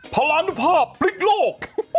พระระนุภาพปริกโลก